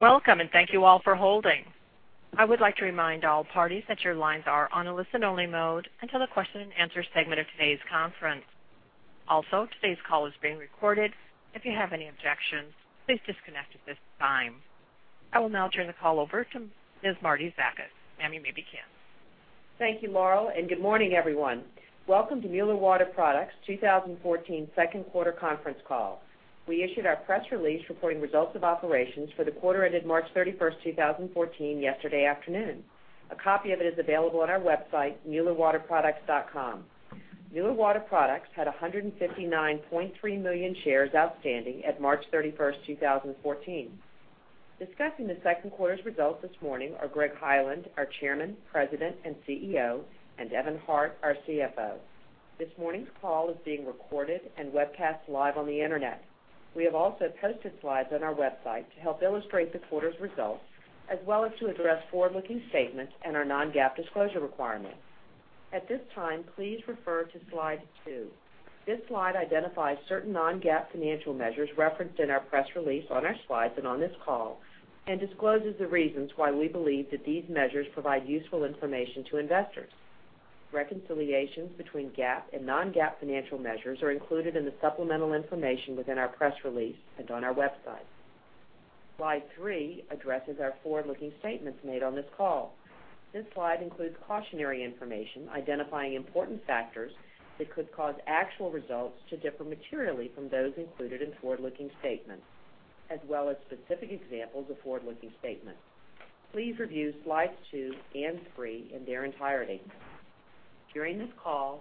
Welcome, thank you all for holding. I would like to remind all parties that your lines are on a listen-only mode until the question-and-answer segment of today's conference. Also, today's call is being recorded. If you have any objections, please disconnect at this time. I will now turn the call over to Ms. Martie Zakas. Marti, you may begin. Thank you, Laurel, good morning, everyone. Welcome to Mueller Water Products' 2014 second quarter conference call. We issued our press release reporting results of operations for the quarter ended March 31st, 2014, yesterday afternoon. A copy of it is available on our website, muellerwaterproducts.com. Mueller Water Products had 159.3 million shares outstanding at March 31st, 2014. Discussing the second quarter's results this morning are Greg Hyland, our Chairman, President, and CEO, and Evan Hart, our CFO. This morning's call is being recorded and webcast live on the internet. We have also posted slides on our website to help illustrate the quarter's results, as well as to address forward-looking statements and our non-GAAP disclosure requirement. At this time, please refer to Slide two. This slide identifies certain non-GAAP financial measures referenced in our press release, on our slides, on this call, discloses the reasons why we believe that these measures provide useful information to investors. Reconciliations between GAAP and non-GAAP financial measures are included in the supplemental information within our press release and on our website. Slide three addresses our forward-looking statements made on this call. This slide includes cautionary information identifying important factors that could cause actual results to differ materially from those included in forward-looking statements, as well as specific examples of forward-looking statements. Please review Slides two and three in their entirety. During this call,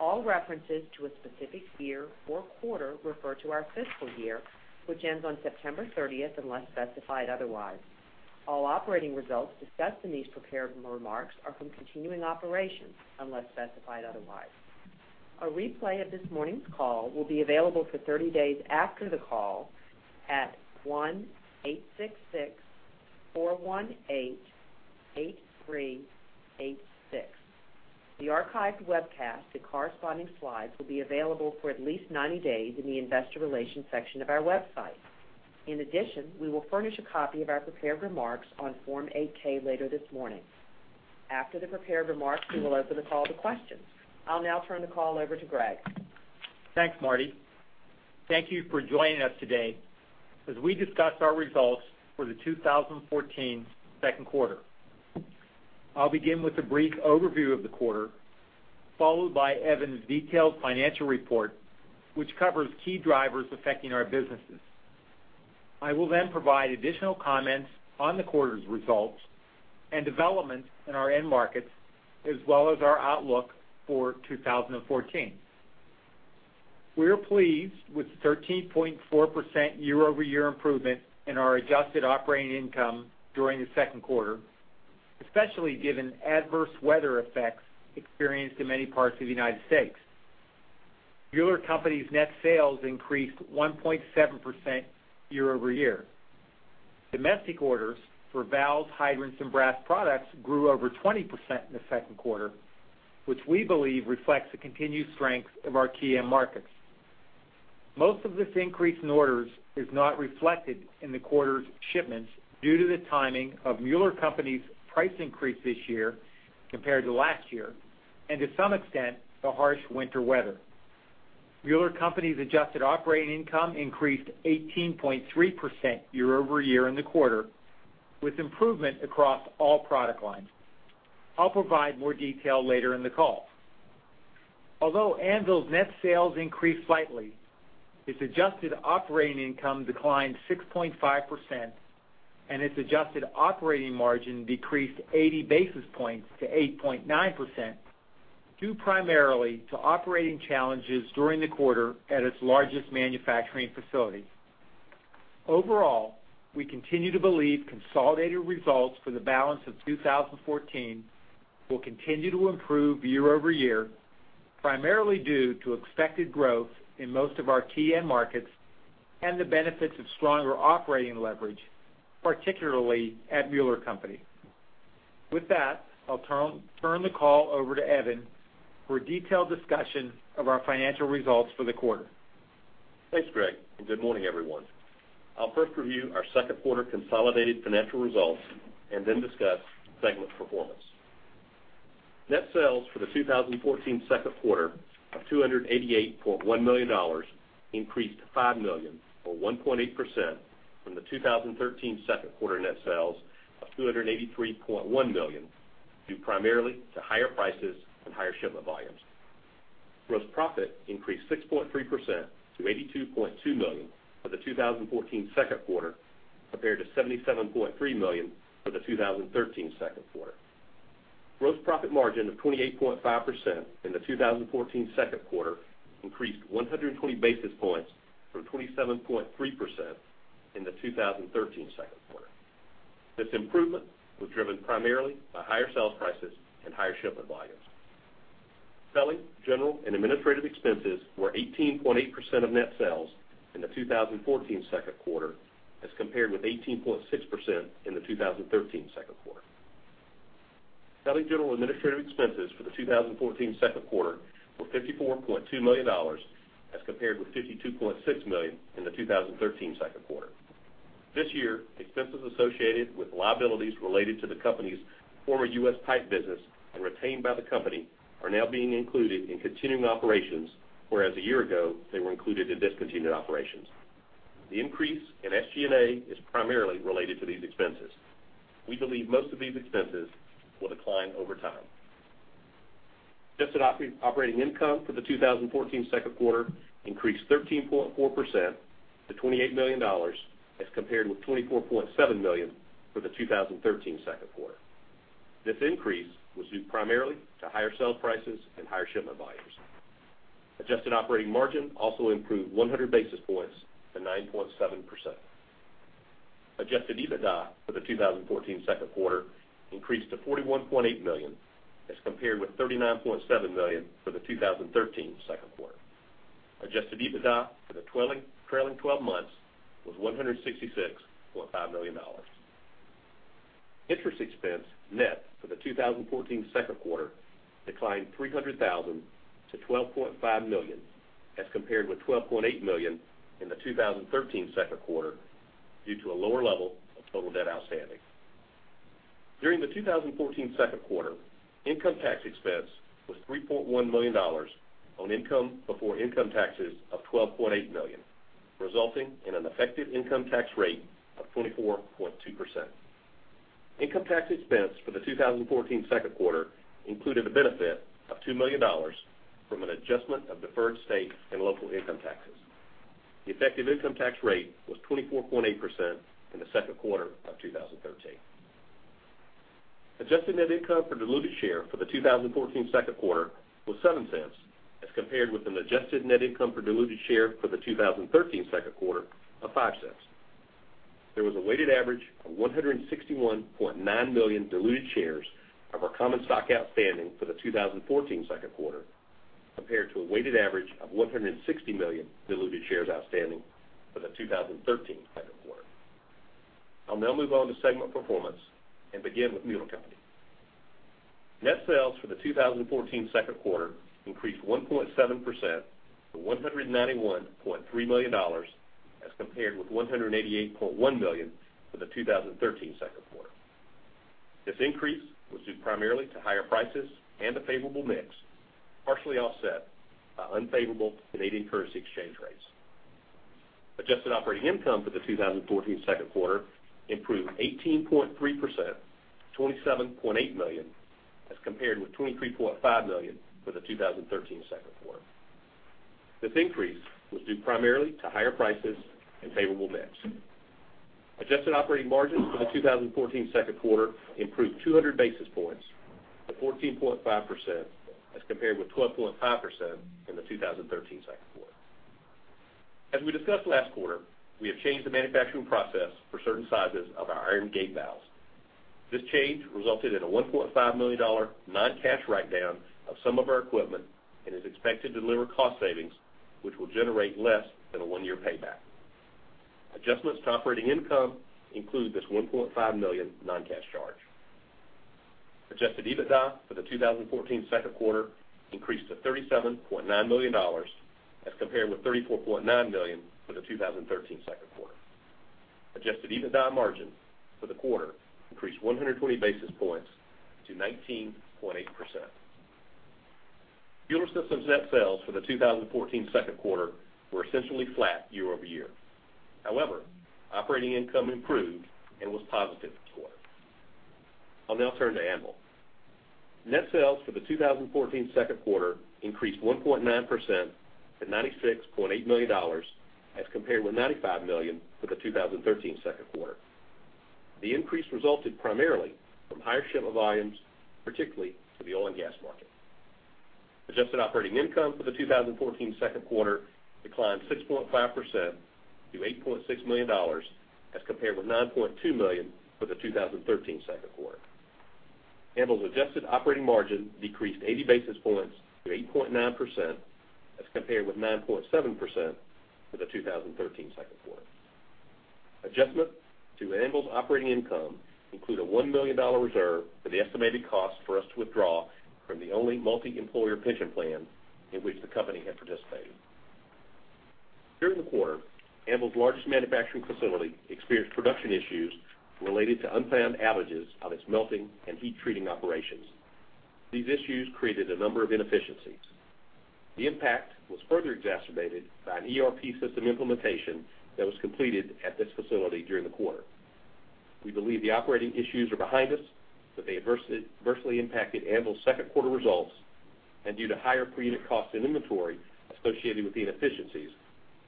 all references to a specific year or quarter refer to our fiscal year, which ends on September 30th, unless specified otherwise. All operating results discussed in these prepared remarks are from continuing operations, unless specified otherwise. A replay of this morning's call will be available for 30 days after the call at 1-866-418-8386. The archived webcast and corresponding slides will be available for at least 90 days in the investor relations section of our website. In addition, we will furnish a copy of our prepared remarks on Form 8-K later this morning. After the prepared remarks, we will open the call to questions. I'll now turn the call over to Greg. Thanks, Marti. Thank you for joining us today as we discuss our results for the 2014 second quarter. I'll begin with a brief overview of the quarter, followed by Evan's detailed financial report, which covers key drivers affecting our businesses. I will then provide additional comments on the quarter's results and developments in our end markets, as well as our outlook for 2014. We are pleased with the 13.4% year-over-year improvement in our adjusted operating income during the second quarter, especially given adverse weather effects experienced in many parts of the U.S. Mueller Company's net sales increased 1.7% year-over-year. Domestic orders for valves, hydrants, and brass products grew over 20% in the second quarter, which we believe reflects the continued strength of our key end markets. Most of this increase in orders is not reflected in the quarter's shipments due to the timing of Mueller Company's price increase this year compared to last year, and to some extent, the harsh winter weather. Mueller Company's adjusted operating income increased 18.3% year-over-year in the quarter, with improvement across all product lines. I'll provide more detail later in the call. Although Anvil's net sales increased slightly, its adjusted operating income declined 6.5%, and its adjusted operating margin decreased 80 basis points to 8.9%, due primarily to operating challenges during the quarter at its largest manufacturing facility. Overall, we continue to believe consolidated results for the balance of 2014 will continue to improve year-over-year, primarily due to expected growth in most of our key end markets and the benefits of stronger operating leverage, particularly at Mueller Company. With that, I'll turn the call over to Evan for a detailed discussion of our financial results for the quarter. Thanks, Greg, good morning, everyone. I'll first review our second quarter consolidated financial results and then discuss segment performance. Net sales for the 2014 second quarter of $288.1 million increased $5 million, or 1.8%, from the 2013 second quarter net sales of $283.1 million, due primarily to higher prices and higher shipment volumes. Gross profit increased 6.3% to $82.2 million for the 2014 second quarter, compared to $77.3 million for the 2013 second quarter. Gross profit margin of 28.5% in the 2014 second quarter increased 120 basis points from 27.3% in the 2013 second quarter. This improvement was driven primarily by higher sales prices and higher shipment volumes. Selling, general, and administrative expenses were 18.8% of net sales in the 2014 second quarter as compared with 18.6% in the 2013 second quarter. Selling general administrative expenses for the 2014 second quarter were $54.2 million as compared with $52.6 million in the 2013 second quarter. This year, expenses associated with liabilities related to the company's former U.S. Pipe business and retained by the company are now being included in continuing operations, whereas a year ago, they were included in discontinued operations. The increase in SG&A is primarily related to these expenses. We believe most of these expenses will decline over time. Adjusted operating income for the 2014 second quarter increased 13.4% to $28 million as compared with $24.7 million for the 2013 second quarter. This increase was due primarily to higher sale prices and higher shipment volumes. Adjusted operating margin also improved 100 basis points to 9.7%. Adjusted EBITDA for the 2014 second quarter increased to $41.8 million as compared with $39.7 million for the 2013 second quarter. Adjusted EBITDA for the trailing 12 months was $166.5 million. Interest expense net for the 2014 second quarter declined $300,000 to $12.5 million as compared with $12.8 million in the 2013 second quarter due to a lower level of total debt outstanding. During the 2014 second quarter, income tax expense was $3.1 million on income before income taxes of $12.8 million, resulting in an effective income tax rate of 24.2%. Income tax expense for the 2014 second quarter included a benefit of $2 million from an adjustment of deferred state and local income taxes. The effective income tax rate was 24.8% in the second quarter of 2013. Adjusted net income per diluted share for the 2014 second quarter was $0.07 as compared with an adjusted net income per diluted share for the 2013 second quarter of $0.05. There was a weighted average of 161.9 million diluted shares of our common stock outstanding for the 2014 second quarter, compared to a weighted average of 160 million diluted shares outstanding for the 2013 second quarter. I'll now move on to segment performance and begin with Mueller Co. Net sales for the 2014 second quarter increased 1.7% to $191.3 million as compared with $188.1 million for the 2013 second quarter. This increase was due primarily to higher prices and a favorable mix, partially offset by unfavorable Canadian currency exchange rates. Adjusted operating income for the 2014 second quarter improved 18.3%, $27.8 million as compared with $23.5 million for the 2013 second quarter. This increase was due primarily to higher prices and favorable mix. Adjusted operating margins for the 2014 second quarter improved 200 basis points to 14.5% as compared with 12.5% in the 2013 second quarter. As we discussed last quarter, we have changed the manufacturing process for certain sizes of our iron gate valves. This change resulted in a $1.5 million non-cash write-down of some of our equipment and is expected to deliver cost savings which will generate less than a one-year payback. Adjustments to operating income include this $1.5 million non-cash charge. Adjusted EBITDA for the 2014 second quarter increased to $37.9 million as compared with $34.9 million for the 2013 second quarter. Adjusted EBITDA margin for the quarter increased 120 basis points to 19.8%. Mueller Systems net sales for the 2014 second quarter were essentially flat year-over-year. However, operating income improved and was positive this quarter. I'll now turn to Anvil. Net sales for the 2014 second quarter increased 1.9% to $96.8 million as compared with $95 million for the 2013 second quarter. The increase resulted primarily from higher shipment volumes, particularly to the oil and gas market. Adjusted operating income for the 2014 second quarter declined 6.5% to $8.6 million as compared with $9.2 million for the 2013 second quarter. Anvil's adjusted operating margin decreased 80 basis points to 8.9% as compared with 9.7% for the 2013 second quarter. Adjustment to Anvil's operating income include a $1 million reserve for the estimated cost for us to withdraw from the only multi-employer pension plan in which the company had participated. During the quarter, Anvil's largest manufacturing facility experienced production issues related to unplanned outages of its melting and heat-treating operations. These issues created a number of inefficiencies. The impact was further exacerbated by an ERP system implementation that was completed at this facility during the quarter. We believe the operating issues are behind us, but they adversely impacted Anvil's second quarter results, and due to higher per unit cost and inventory associated with the inefficiencies,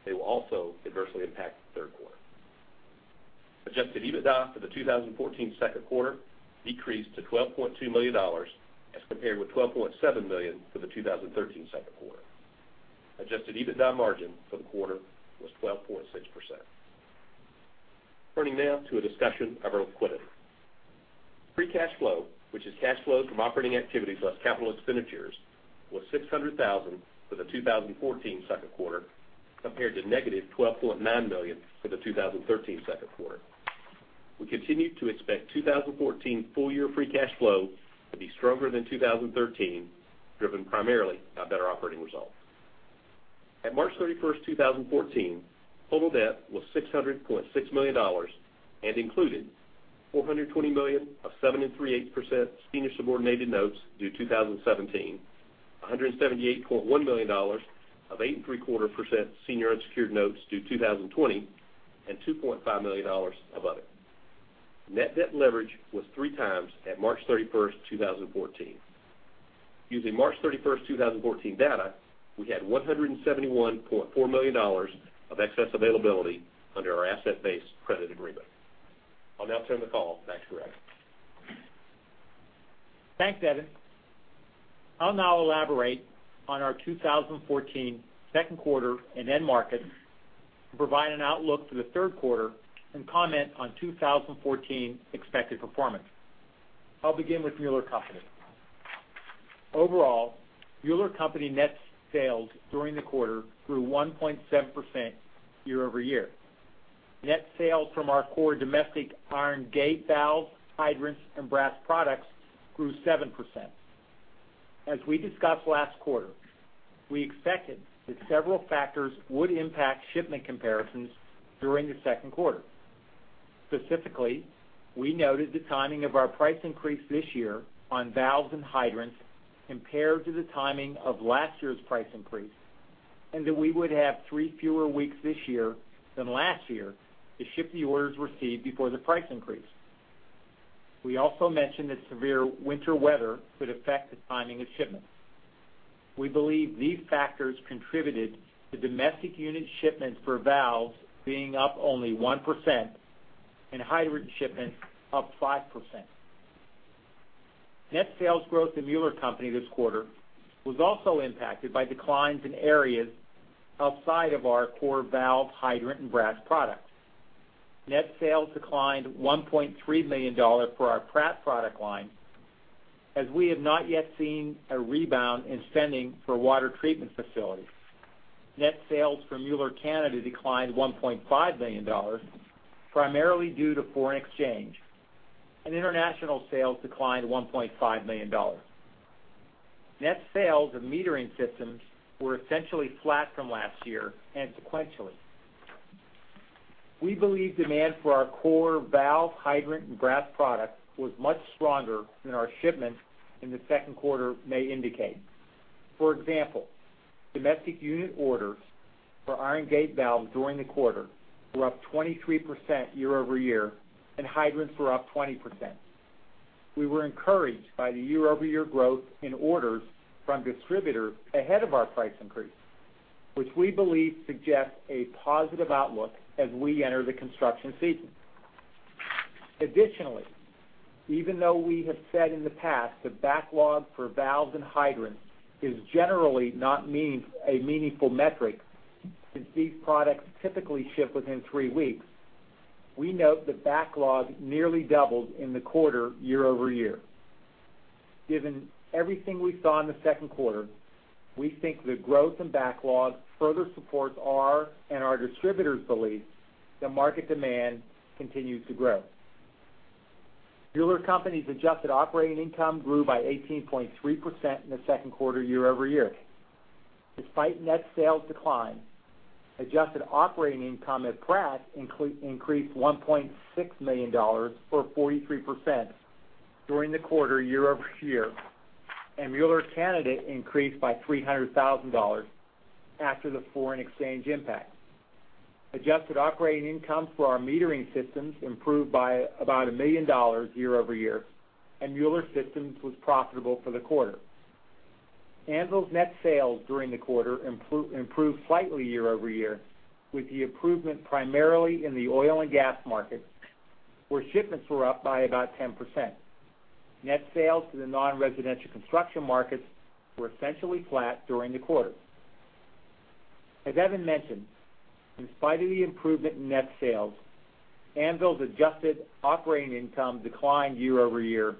they will also adversely impact the third quarter. Adjusted EBITDA for the 2014 second quarter decreased to $12.2 million as compared with $12.7 million for the 2013 second quarter. Adjusted EBITDA margin for the quarter was 12.6%. Turning now to a discussion of our liquidity. Free cash flow, which is cash flows from operating activities less capital expenditures Was $600,000 for the 2014 second quarter, compared to negative $12.9 million for the 2013 second quarter. We continue to expect 2014 full-year free cash flow to be stronger than 2013, driven primarily by better operating results. At March 31st, 2014, total debt was $600.6 million and included $420 million of 7.375% senior subordinated notes due 2017, $178.1 million of 8.75% senior unsecured notes due 2020, and $2.5 million of other. Net debt leverage was three times at March 31st, 2014. Using March 31st, 2014 data, we had $171.4 million of excess availability under our asset-based credit agreement. I'll now turn the call back to Greg. Thanks, Evan. I'll now elaborate on our 2014 second quarter and end market, and provide an outlook for the third quarter and comment on 2014 expected performance. I'll begin with Mueller Company. Overall, Mueller Company net sales during the quarter grew 1.7% year-over-year. Net sales from our core domestic iron gate valve, hydrants, and brass products grew 7%. As we discussed last quarter, we expected that several factors would impact shipment comparisons during the second quarter. Specifically, we noted the timing of our price increase this year on valves and hydrants compared to the timing of last year's price increase, and that we would have three fewer weeks this year than last year to ship the orders received before the price increase. We also mentioned that severe winter weather could affect the timing of shipments. We believe these factors contributed to domestic unit shipments for valves being up only 1% and hydrant shipments up 5%. Net sales growth in Mueller Co. this quarter was also impacted by declines in areas outside of our core valve, hydrant, and brass products. Net sales declined $1.3 million for our Pratt product line, as we have not yet seen a rebound in spending for water treatment facilities. Net sales for Mueller Canada declined $1.5 million, primarily due to foreign exchange, and international sales declined $1.5 million. Net sales of metering systems were essentially flat from last year and sequentially. We believe demand for our core valve, hydrant, and brass products was much stronger than our shipments in the second quarter may indicate. For example, domestic unit orders for iron gate valves during the quarter were up 23% year-over-year, and hydrants were up 20%. We were encouraged by the year-over-year growth in orders from distributors ahead of our price increase, which we believe suggests a positive outlook as we enter the construction season. Even though we have said in the past that backlog for valves and hydrants is generally not a meaningful metric since these products typically ship within three weeks, we note that backlog nearly doubled in the quarter year-over-year. Everything we saw in the second quarter, we think the growth in backlog further supports our and our distributors' belief that market demand continues to grow. Mueller Co.'s adjusted operating income grew by 18.3% in the second quarter year-over-year. Net sales decline, adjusted operating income at Pratt increased $1.6 million, or 43%, during the quarter year-over-year, and Mueller Canada increased by $300,000 after the foreign exchange impact. Adjusted operating income for our metering systems improved by about $1 million year-over-year, and Mueller Systems was profitable for the quarter. Anvil's net sales during the quarter improved slightly year-over-year, with the improvement primarily in the oil and gas market, where shipments were up by about 10%. Net sales to the non-residential construction markets were essentially flat during the quarter. As Evan mentioned, in spite of the improvement in net sales, Anvil's adjusted operating income declined year-over-year,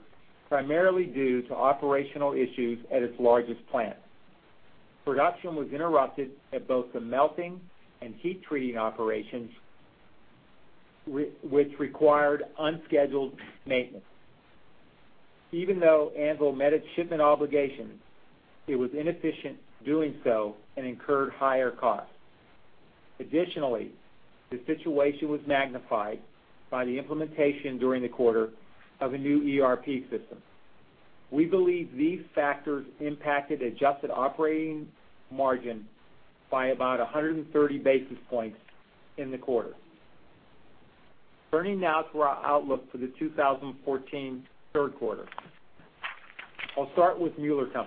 primarily due to operational issues at its largest plant. Production was interrupted at both the melting and heat treating operations, which required unscheduled maintenance. Even though Anvil met its shipment obligations, it was inefficient doing so and incurred higher costs. The situation was magnified by the implementation during the quarter of a new ERP system. We believe these factors impacted adjusted operating margin by about 130 basis points in the quarter. Turning now to our outlook for the 2014 third quarter. I'll start with Mueller Co.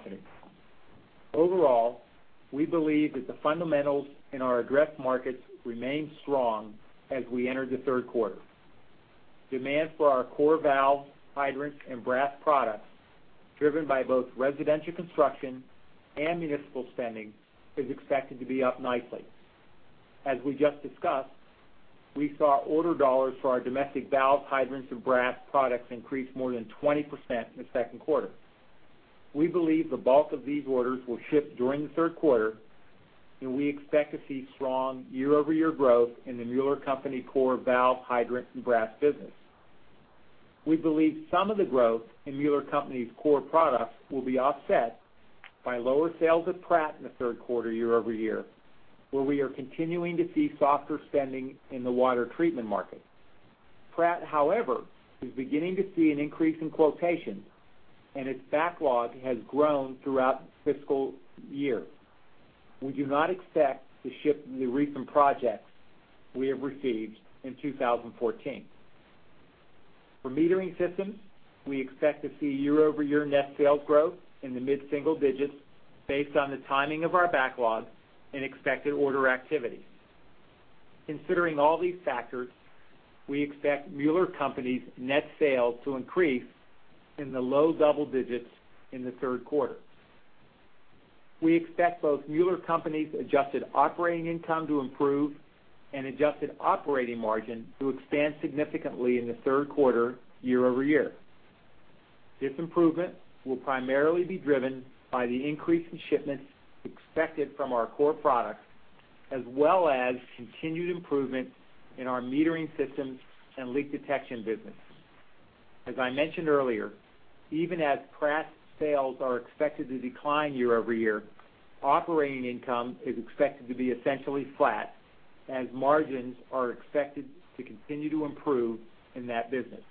We believe that the fundamentals in our addressed markets remain strong as we enter the third quarter. Demand for our core valve, hydrants, and brass products, driven by both residential construction and municipal spending, is expected to be up nicely. We just discussed, we saw order dollars for our domestic valve hydrants and brass products increase more than 20% in the second quarter. We believe the bulk of these orders will ship during the third quarter, and we expect to see strong year-over-year growth in the Mueller Co. core valve, hydrant and brass business. We believe some of the growth in Mueller Co.'s core products will be offset by lower sales at Pratt in the third quarter year-over-year, where we are continuing to see softer spending in the water treatment market. Pratt, however, is beginning to see an increase in quotations, and its backlog has grown throughout fiscal year. We do not expect to ship the recent projects we have received in 2014. For metering systems, we expect to see year-over-year net sales growth in the mid-single digits based on the timing of our backlog and expected order activity. Considering all these factors, we expect Mueller Co.'s net sales to increase in the low double digits in the third quarter. We expect both Mueller Co.'s adjusted operating income to improve and adjusted operating margin to expand significantly in the third quarter year-over-year. This improvement will primarily be driven by the increase in shipments expected from our core products, as well as continued improvement in our metering systems and leak detection business. As I mentioned earlier, even as Pratt's sales are expected to decline year-over-year, operating income is expected to be essentially flat as margins are expected to continue to improve in that business.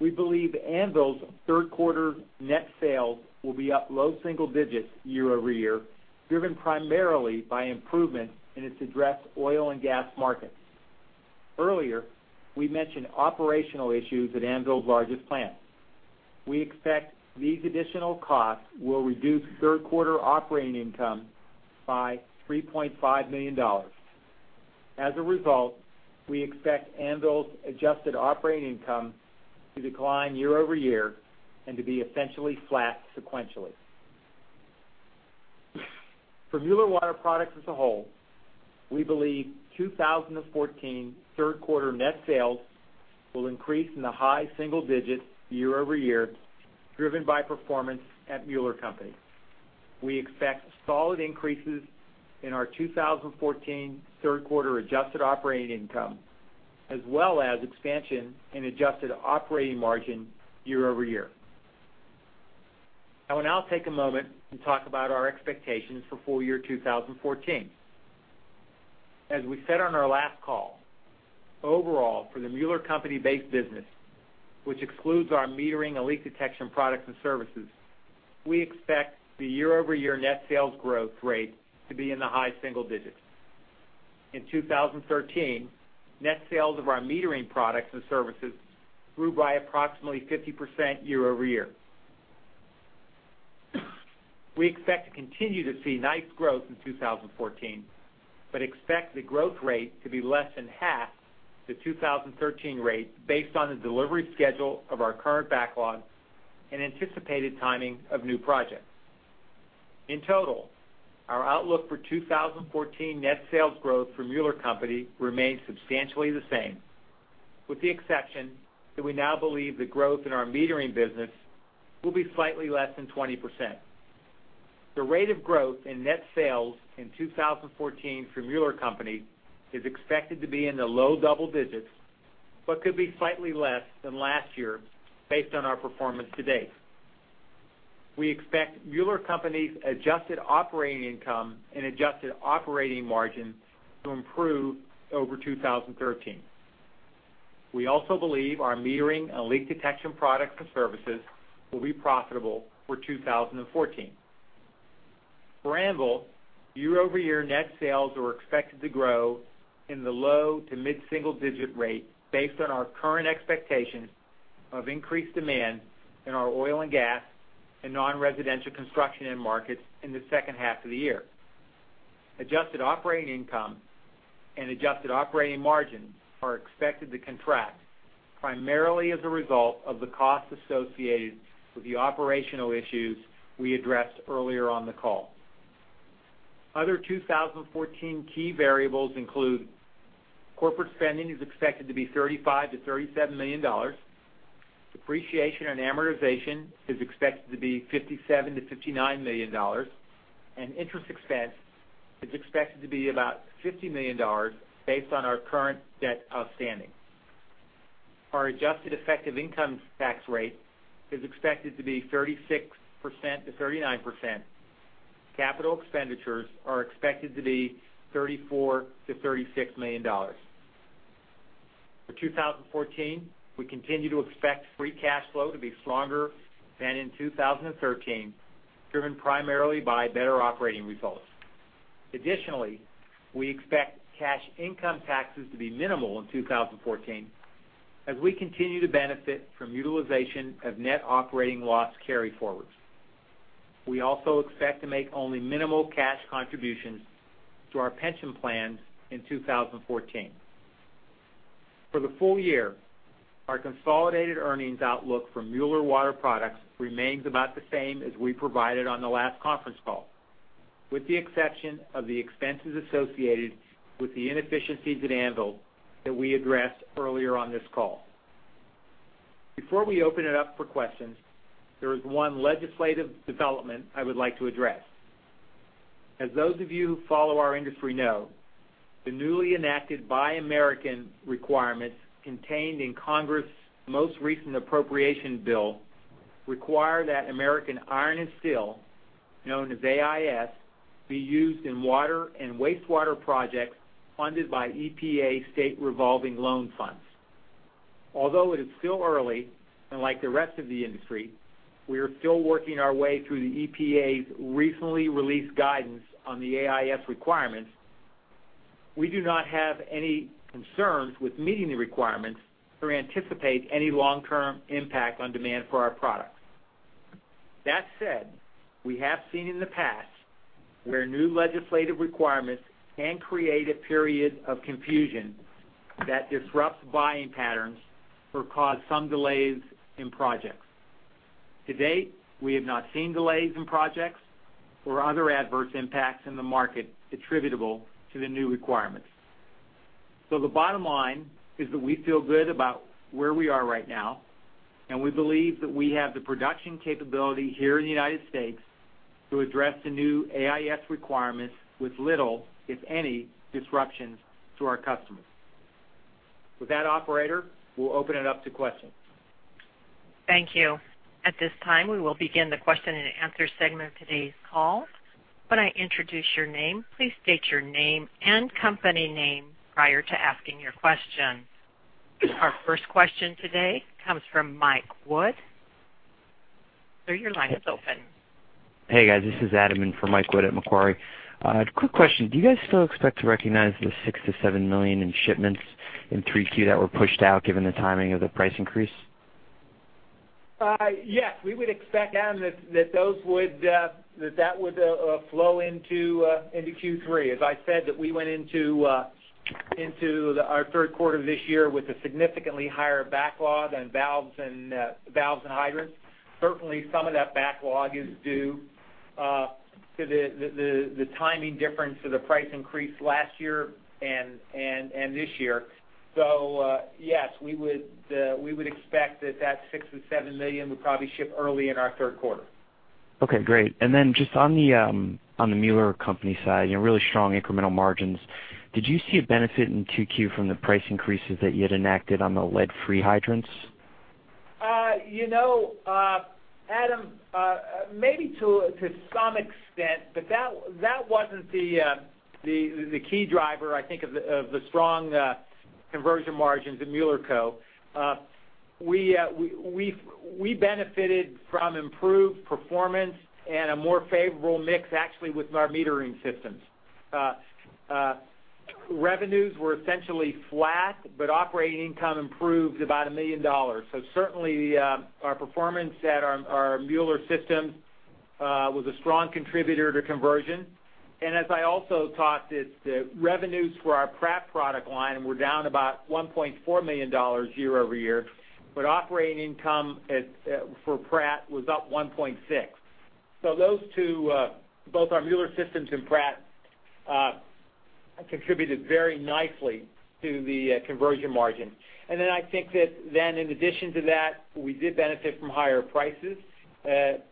We believe Anvil's third quarter net sales will be up low single digits year-over-year, driven primarily by improvement in its addressed oil and gas markets. Earlier, we mentioned operational issues at Anvil's largest plant. We expect these additional costs will reduce third quarter operating income by $3.5 million. As a result, we expect Anvil's adjusted operating income to decline year-over-year and to be essentially flat sequentially. For Mueller Water Products as a whole, we believe 2014 third quarter net sales will increase in the high single digits year-over-year, driven by performance at Mueller Co. We expect solid increases in our 2014 third quarter adjusted operating income, as well as expansion in adjusted operating margin year-over-year. I will now take a moment and talk about our expectations for full year 2014. As we said on our last call, overall for the Mueller Co. base business, which excludes our metering and leak detection products and services, we expect the year-over-year net sales growth rate to be in the high single digits. In 2013, net sales of our metering products and services grew by approximately 50% year-over-year. We expect to continue to see nice growth in 2014, but expect the growth rate to be less than half the 2013 rate based on the delivery schedule of our current backlog and anticipated timing of new projects. In total, our outlook for 2014 net sales growth for Mueller Co. remains substantially the same, with the exception that we now believe the growth in our metering business will be slightly less than 20%. The rate of growth in net sales in 2014 for Mueller Co. is expected to be in the low double digits, but could be slightly less than last year based on our performance to date. We expect Mueller Co.'s adjusted operating income and adjusted operating margin to improve over 2013. We also believe our metering and leak detection products and services will be profitable for 2014. For Anvil, year-over-year net sales are expected to grow in the low to mid-single digit rate based on our current expectations of increased demand in our oil and gas and non-residential construction end markets in the second half of the year. Adjusted operating income and adjusted operating margins are expected to contract, primarily as a result of the costs associated with the operational issues we addressed earlier on the call. Other 2014 key variables include corporate spending is expected to be $35 million-$37 million, depreciation and amortization is expected to be $57 million-$59 million, and interest expense is expected to be about $50 million based on our current debt outstanding. Our adjusted effective income tax rate is expected to be 36%-39%. Capital expenditures are expected to be $34 million-$36 million. For 2014, we continue to expect free cash flow to be stronger than in 2013, driven primarily by better operating results. Additionally, we expect cash income taxes to be minimal in 2014 as we continue to benefit from utilization of net operating loss carryforwards. We also expect to make only minimal cash contributions to our pension plans in 2014. For the full year, our consolidated earnings outlook for Mueller Water Products remains about the same as we provided on the last conference call, with the exception of the expenses associated with the inefficiencies at Anvil that we addressed earlier on this call. Before we open it up for questions, there is one legislative development I would like to address. As those of you who follow our industry know, the newly enacted Buy American requirements contained in Congress's most recent appropriation bill require that American iron and steel, known as AIS, be used in water and wastewater projects funded by EPA State Revolving Loan Funds. Although it is still early, and like the rest of the industry, we are still working our way through the EPA's recently released guidance on the AIS requirements, we do not have any concerns with meeting the requirements or anticipate any long-term impact on demand for our products. That said, we have seen in the past where new legislative requirements can create a period of confusion that disrupts buying patterns or cause some delays in projects. To date, we have not seen delays in projects or other adverse impacts in the market attributable to the new requirements. The bottom line is that we feel good about where we are right now, and we believe that we have the production capability here in the U.S. to address the new AIS requirements with little, if any, disruptions to our customers. With that, operator, we'll open it up to questions. Thank you. At this time, we will begin the question and answer segment of today's call. When I introduce your name, please state your name and company name prior to asking your question. Our first question today comes from Michael Wood. Sir, your line is open. Hey, guys. This is Adam in for Michael Wood at Macquarie. Quick question. Do you guys still expect to recognize the $6 million to $7 million in shipments in 3Q that were pushed out given the timing of the price increase? Yes, we would expect, Adam, that would flow into Q3. As I said, we went into our third quarter this year with a significantly higher backlog on valves and hydrants. Certainly, some of that backlog is due to the timing difference of the price increase last year and this year. Yes, we would expect that $6 million to $7 million would probably ship early in our third quarter. Okay, great. Just on the Mueller Co. side, really strong incremental margins. Did you see a benefit in 2Q from the price increases that you had enacted on the lead-free hydrants? Adam, maybe to some extent, but that wasn't the key driver, I think, of the strong conversion margins at Mueller Co. We benefited from improved performance and a more favorable mix, actually, with our metering systems. Revenues were essentially flat, but operating income improved about $1 million. Certainly, our performance at our Mueller Systems was a strong contributor to conversion. As I also talked, the revenues for our Pratt product line were down about $1.4 million year-over-year, but operating income for Pratt was up $1.6 million. Those two, both our Mueller Systems and Pratt, contributed very nicely to the conversion margin. I think in addition to that, we did benefit from higher prices,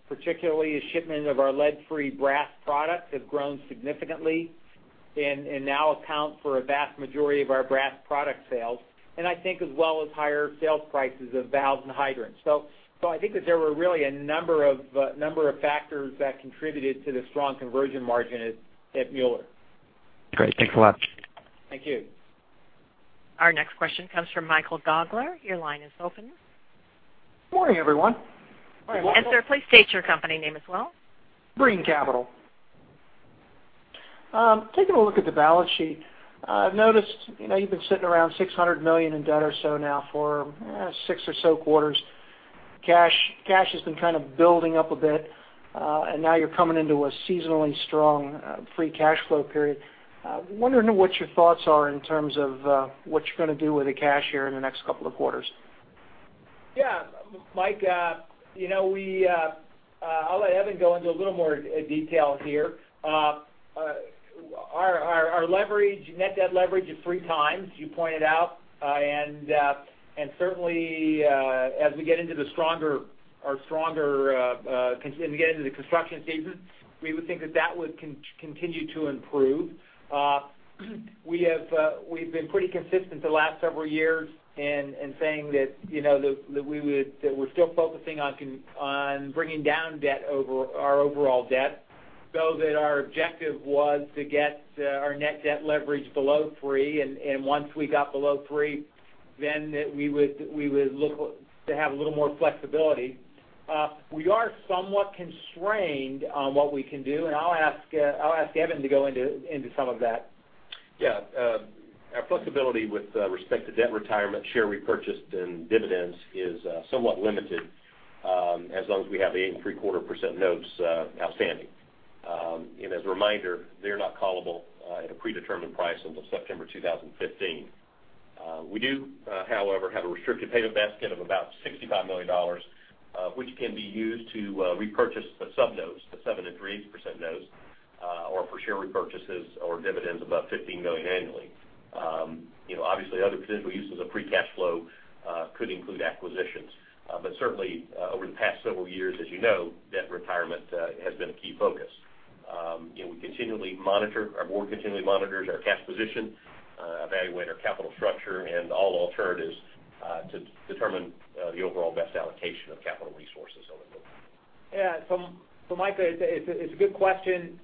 particularly a shipment of our lead-free brass product has grown significantly and now account for a vast majority of our brass product sales. I think as well as higher sales prices of valves and hydrants. I think that there were really a number of factors that contributed to the strong conversion margin at Mueller. Great. Thanks a lot. Thank you. Our next question comes from Michael Gaugler. Your line is open. Morning, everyone. Morning, Michael. Sir, please state your company name as well. Brean Capital. Taking a look at the balance sheet, I've noticed you've been sitting around $600 million in debt or so now for six or so quarters. Cash has been kind of building up a bit, and now you're coming into a seasonally strong free cash flow period. Wondering what your thoughts are in terms of what you're going to do with the cash here in the next couple of quarters. Mike, I'll let Evan go into a little more detail here. Our net debt leverage is three times, you pointed out, and certainly as we get into the construction season, we would think that that would continue to improve. We've been pretty consistent the last several years in saying that we're still focusing on bringing down our overall debt, that our objective was to get our net debt leverage below three, and once we got below three, we would look to have a little more flexibility. We are somewhat constrained on what we can do, I'll ask Evan to go into some of that. Our flexibility with respect to debt retirement, share repurchased, and dividends is somewhat limited, as long as we have the 8.75% notes outstanding. As a reminder, they're not callable at a predetermined price until September 2015. We do, however, have a restricted payment basket of about $65 million, which can be used to repurchase the sub-notes, the 7% and 3.8% notes, or for share repurchases or dividends above $15 million annually. Obviously, other potential uses of free cash flow could include acquisitions. Certainly, over the past several years, as you know, debt retirement has been a key focus. Our board continually monitors our cash position, evaluate our capital structure, and all alternatives to determine the overall best allocation of capital resources going forward. Michael, it's a good question,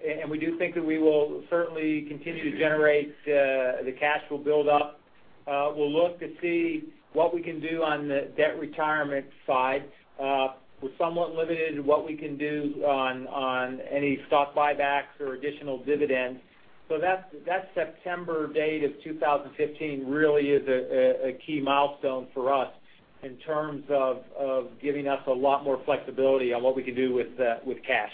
and we do think that we will certainly continue to generate the cash flow build up. We'll look to see what we can do on the debt retirement side. We're somewhat limited in what we can do on any stock buybacks or additional dividends. That September date of 2015 really is a key milestone for us in terms of giving us a lot more flexibility on what we can do with cash.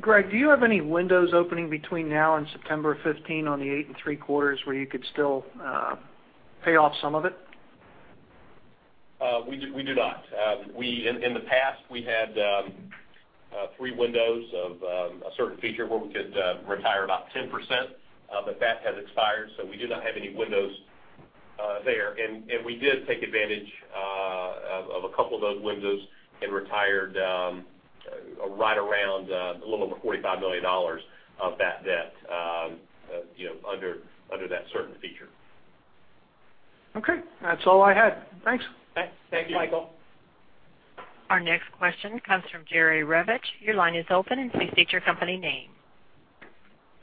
Greg, do you have any windows opening between now and September 15 on the eight and three quarters where you could still pay off some of it? We do not. In the past, we had three windows of a certain feature where we could retire about 10%. That has expired, we do not have any windows there. We did take advantage of a couple of those windows and retired a little over $45 million of that debt under that certain feature. Okay. That's all I had. Thanks. Thank you, Michael. Our next question comes from Jerry Revich. Your line is open, please state your company name.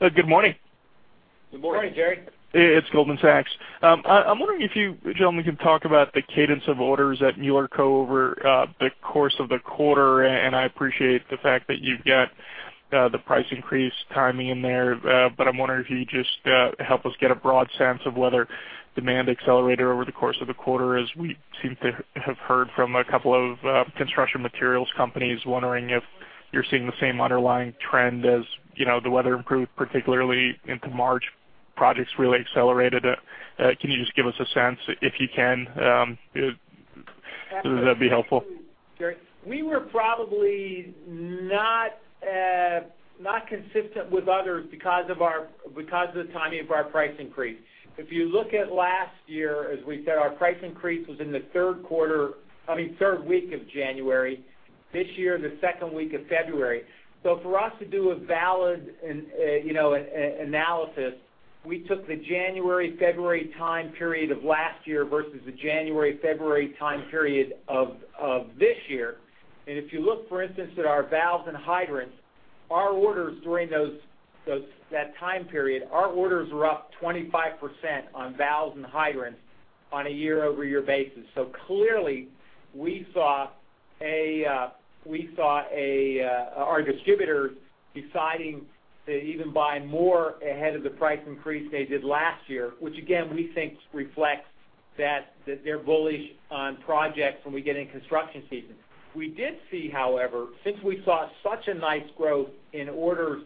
Good morning. Good morning. Good morning, Jerry. It's Goldman Sachs. I'm wondering if you gentlemen can talk about the cadence of orders at Mueller Co. over the course of the quarter. I appreciate the fact that you've got the price increase timing in there. I'm wondering if you just help us get a broad sense of whether demand accelerated over the course of the quarter, as we seem to have heard from a couple of construction materials companies, wondering if you're seeing the same underlying trend as the weather improved, particularly into March, projects really accelerated. Can you just give us a sense, if you can? That'd be helpful. Jerry, we were probably not consistent with others because of the timing of our price increase. If you look at last year, as we said, our price increase was in the third week of January. This year, the second week of February. For us to do a valid analysis, we took the January, February time period of last year versus the January, February time period of this year. If you look, for instance, at our valves and hydrants, our orders during that time period, our orders were up 25% on valves and hydrants on a year-over-year basis. Clearly, we saw our distributors deciding to even buy more ahead of the price increase they did last year, which again, we think reflects that they're bullish on projects when we get into construction season. We did see, however, since we saw such a nice growth in orders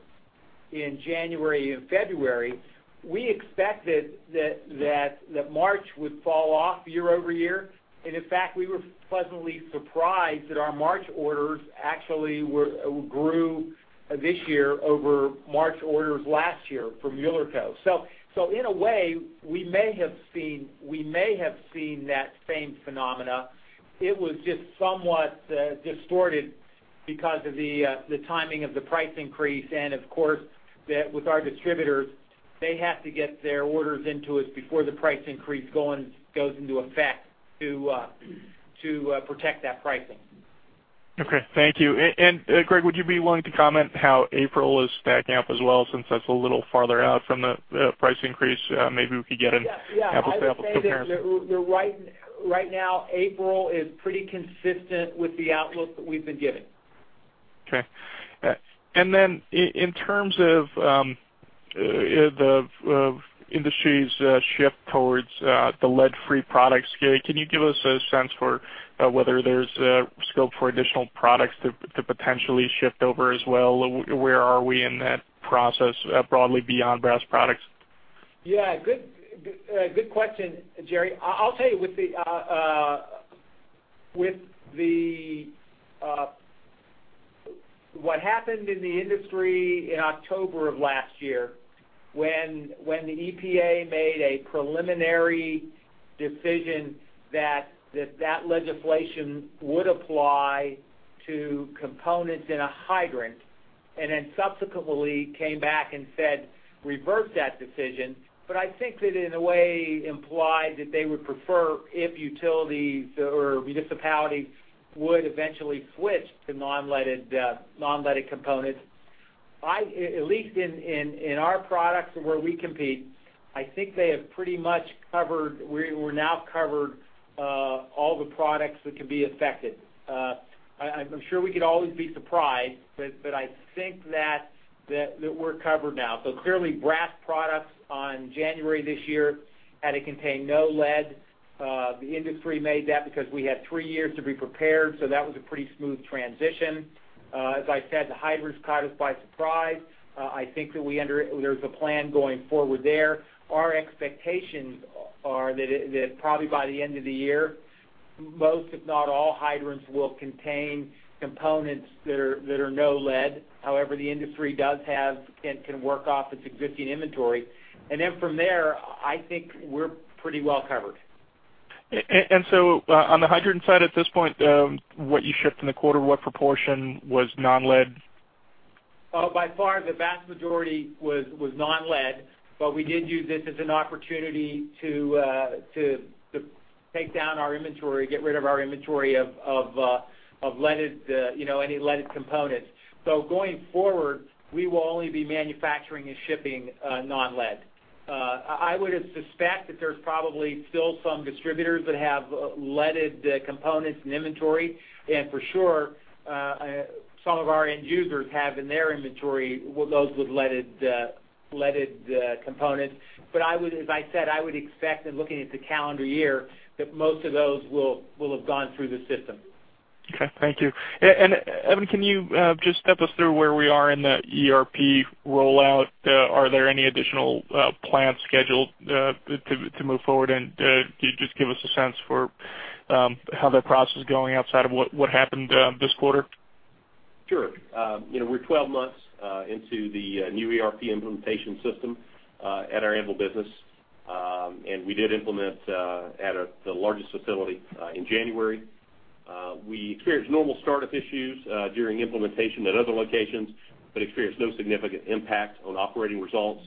in January and February, we expected that March would fall off year-over-year. In fact, we were pleasantly surprised that our March orders actually grew this year over March orders last year from Mueller Co. In a way, we may have seen that same phenomena. It was just somewhat distorted because of the timing of the price increase, and of course, that with our distributors, they have to get their orders into us before the price increase goes into effect to protect that pricing. Okay, thank you. Greg, would you be willing to comment how April is stacking up as well, since that's a little farther out from the price increase? Maybe we could get an apple-to-apple comparison. Yeah. I would say that right now April is pretty consistent with the outlook that we've been giving. Okay. Then in terms of the industry's shift towards the lead-free products, can you give us a sense for whether there's scope for additional products to potentially shift over as well? Where are we in that process broadly beyond brass products? Yeah. Good question, Jerry. I'll tell you, with what happened in the industry in October of last year, when the EPA made a preliminary decision that legislation would apply to components in a hydrant, then subsequently came back and said, "Revert that decision." I think that in a way implied that they would prefer if utilities or municipalities would eventually switch to non-leaded components. At least in our products and where we compete, I think we're now covered all the products that could be affected. I'm sure we could always be surprised, I think that we're covered now. Clearly, brass products on January this year had to contain no lead. The industry made that because we had three years to be prepared, so that was a pretty smooth transition. As I said, the hydrants caught us by surprise. I think that there's a plan going forward there. Our expectations are that probably by the end of the year, most, if not all, hydrants will contain components that are no-lead. However, the industry does have and can work off its existing inventory. Then from there, I think we're pretty well covered. On the hydrant side at this point, what you shipped in the quarter, what proportion was non-lead? By far, the vast majority was non-lead, but we did use this as an opportunity to take down our inventory, get rid of our inventory of any leaded components. Going forward, we will only be manufacturing and shipping non-lead. I would suspect that there's probably still some distributors that have leaded components in inventory, and for sure, some of our end users have in their inventory those with leaded components. As I said, I would expect in looking at the calendar year, that most of those will have gone through the system. Okay. Thank you. Evan, can you just step us through where we are in the ERP rollout? Are there any additional plans scheduled to move forward? Can you just give us a sense for how that process is going outside of what happened this quarter? Sure. We're 12 months into the new ERP implementation system at our Anvil business. We did implement at the largest facility in January. We experienced normal startup issues during implementation at other locations, but experienced no significant impact on operating results.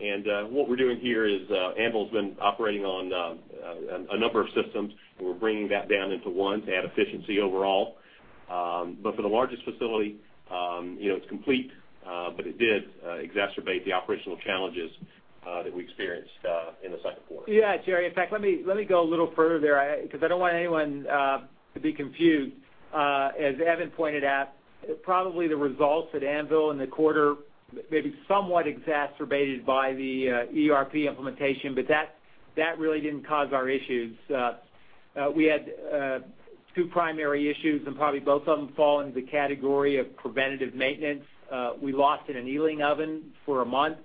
What we're doing here is Anvil's been operating on a number of systems, and we're bringing that down into one to add efficiency overall. For the largest facility, it's complete, but it did exacerbate the operational challenges that we experienced in the second quarter. Yeah, Jerry. In fact, let me go a little further there because I don't want anyone to be confused. As Evan pointed out, probably the results at Anvil in the quarter may be somewhat exacerbated by the ERP implementation, but that really didn't cause our issues. We had two primary issues, probably both of them fall into the category of preventative maintenance. We lost an annealing oven for a month.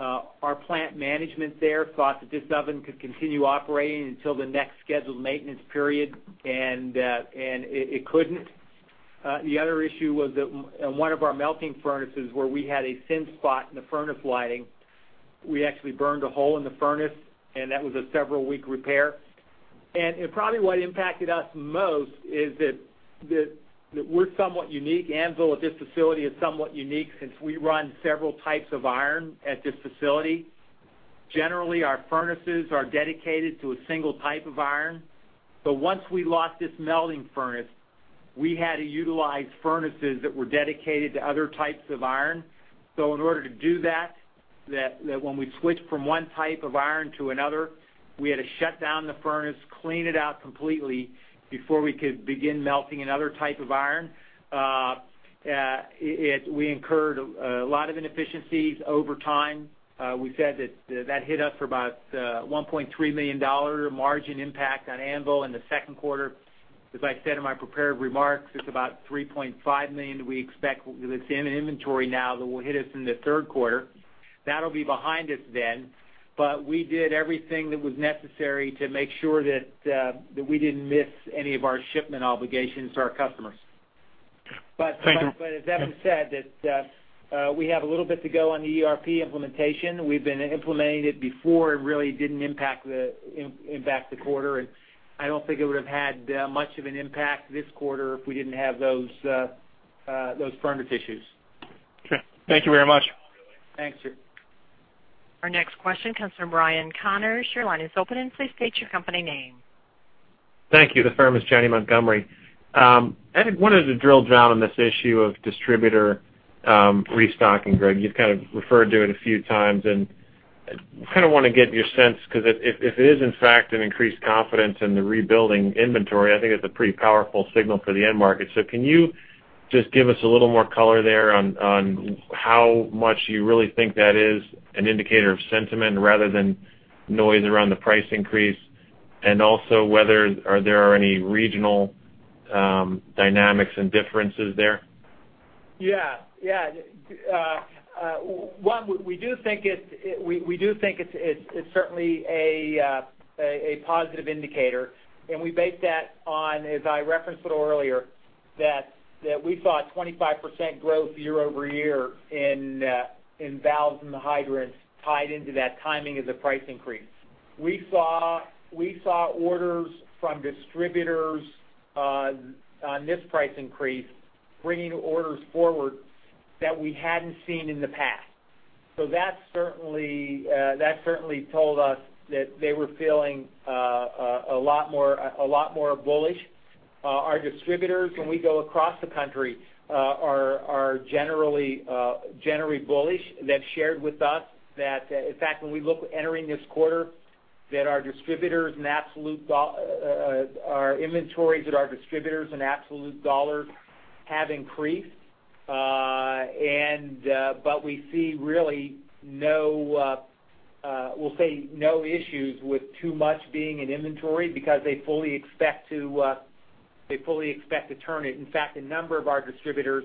Our plant management there thought that this oven could continue operating until the next scheduled maintenance period, and it couldn't. The other issue was that in one of our melting furnaces where we had a thin spot in the furnace lining, we actually burned a hole in the furnace, and that was a several-week repair. Probably what impacted us most is that we're somewhat unique. Anvil at this facility is somewhat unique since we run several types of iron at this facility. Generally, our furnaces are dedicated to a single type of iron. Once we lost this melting furnace, we had to utilize furnaces that were dedicated to other types of iron. In order to do that, when we switched from one type of iron to another, we had to shut down the furnace, clean it out completely before we could begin melting another type of iron. We incurred a lot of inefficiencies over time. We said that that hit us for about a $1.3 million margin impact on Anvil in the second quarter. As I said in my prepared remarks, it is about $3.5 million that we expect that is in inventory now that will hit us in the third quarter. That will be behind us then, we did everything that was necessary to make sure that we did not miss any of our shipment obligations to our customers. Thank you. As Evan said, that we have a little bit to go on the ERP implementation. We have been implementing it before. It really did not impact the quarter, and I do not think it would have had much of an impact this quarter if we did not have those furnace issues. Okay. Thank you very much. Thanks, Jerry. Our next question comes from Ryan Connors. Your line is open, and please state your company name. Thank you. The firm is Janney Montgomery. I wanted to drill down on this issue of distributor restocking, Greg. You've kind of referred to it a few times, and I kind of want to get your sense, because if it is in fact an increased confidence in the rebuilding inventory, I think it's a pretty powerful signal for the end market. Can you just give us a little more color there on how much you really think that is an indicator of sentiment rather than noise around the price increase? Also, whether there are any regional dynamics and differences there? Yeah. We do think it's certainly a positive indicator. We base that on, as I referenced it earlier, that we saw a 25% growth year-over-year in valves and the hydrants tied into that timing of the price increase. We saw orders from distributors on this price increase bringing orders forward that we hadn't seen in the past. That certainly told us that they were feeling a lot more bullish. Our distributors, when we go across the country, are generally bullish. They've shared with us that, in fact, when we look entering this quarter, that our distributors and our inventories in absolute dollars have increased. We see really, we'll say, no issues with too much being in inventory because they fully expect to turn it. In fact, a number of our distributors,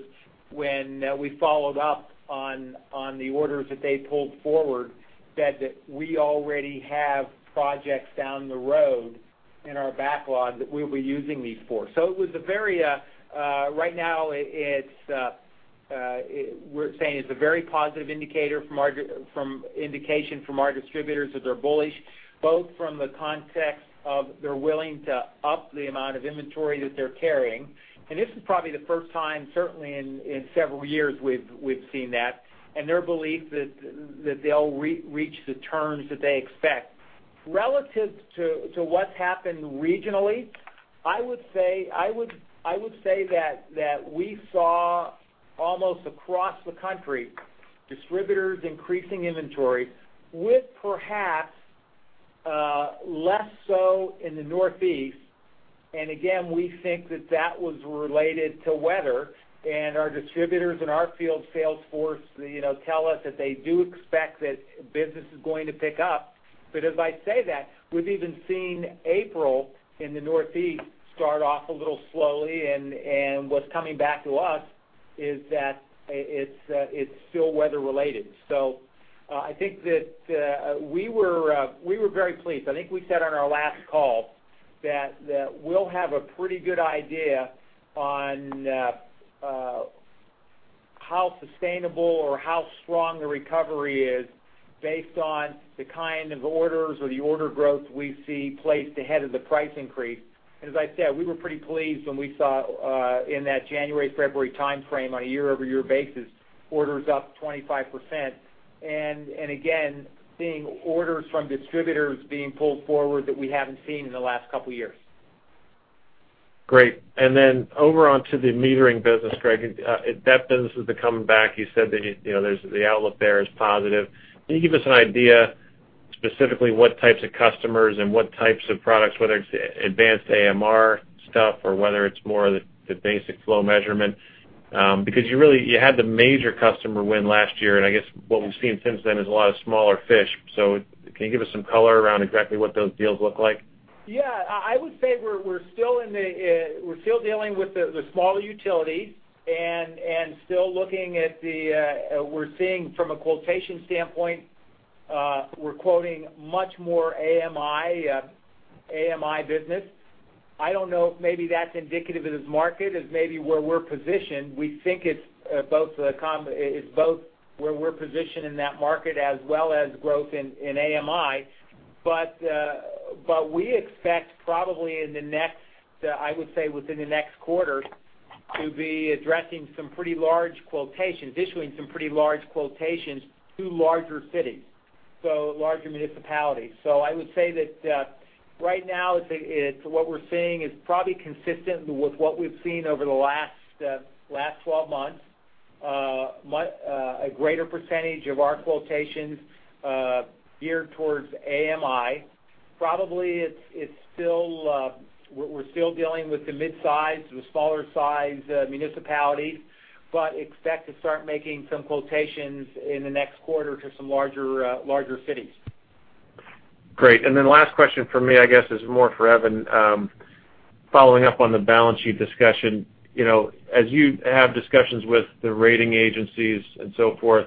when we followed up on the orders that they pulled forward, said that, "We already have projects down the road in our backlog that we'll be using these for." Right now, we're saying it's a very positive indication from our distributors that they're bullish, both from the context of they're willing to up the amount of inventory that they're carrying. This is probably the first time, certainly in several years, we've seen that, and their belief that they'll reach the turns that they expect. Relative to what's happened regionally, I would say that we saw almost across the country, distributors increasing inventory with perhaps less so in the Northeast. Again, we think that was related to weather, and our distributors and our field sales force tell us that they do expect that business is going to pick up. As I say that, we've even seen April in the Northeast start off a little slowly, and what's coming back to us is that it's still weather related. I think that we were very pleased. I think we said on our last call that we'll have a pretty good idea on how sustainable or how strong the recovery is based on the kind of orders or the order growth we see placed ahead of the price increase. As I said, we were pretty pleased when we saw in that January, February timeframe on a year-over-year basis, orders up 25%. Again, seeing orders from distributors being pulled forward that we haven't seen in the last couple of years. Great. Then over onto the metering business, Greg. That business is the coming back. You said that the outlook there is positive. Can you give us an idea specifically what types of customers and what types of products, whether it's advanced AMR stuff or whether it's more of the basic flow measurement? Because you had the major customer win last year, and I guess what we've seen since then is a lot of smaller fish. Can you give us some color around exactly what those deals look like? I would say we're still dealing with the smaller utilities and we're seeing from a quotation standpoint, we're quoting much more AMI business. I don't know, maybe that's indicative of this market is maybe where we're positioned. We think it's both where we're positioned in that market as well as growth in AMI. We expect probably, I would say within the next quarter, to be issuing some pretty large quotations to larger cities, so larger municipalities. I would say that right now, what we're seeing is probably consistent with what we've seen over the last 12 months. A greater percentage of our quotations geared towards AMI. Probably we're still dealing with the mid-size to smaller size municipalities, but expect to start making some quotations in the next quarter to some larger cities. Great. Last question from me, I guess is more for Evan. Following up on the balance sheet discussion. As you have discussions with the rating agencies and so forth,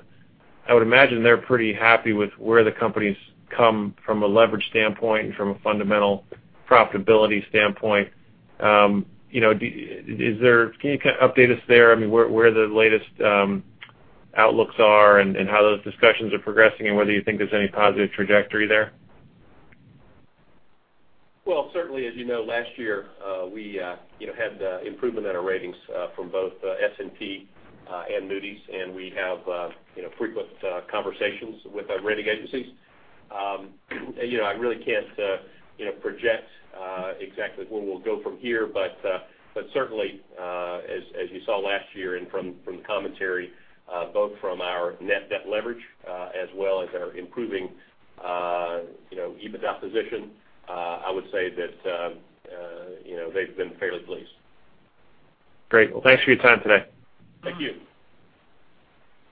I would imagine they're pretty happy with where the company's come from a leverage standpoint and from a fundamental profitability standpoint. Can you update us there, where the latest outlooks are and how those discussions are progressing and whether you think there's any positive trajectory there? Well, certainly, as you know, last year, we had improvement in our ratings from both S&P and Moody's, and we have frequent conversations with our rating agencies. I really can't project exactly where we'll go from here, but certainly, as you saw last year and from the commentary, both from our net debt leverage as well as our improving EBITDA position, I would say that they've been fairly pleased. Great. Well, thanks for your time today. Thank you.